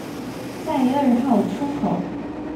在二號出口